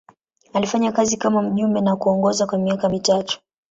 Alifanya kazi kama mjumbe na kuongoza kwa miaka mitatu.